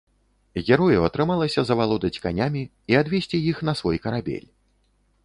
Герою атрымалася завалодаць канямі і адвесці іх на свой карабель.